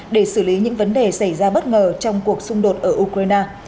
để xử lý những vấn đề xảy ra bất ngờ trong cuộc xung đột ở ukraine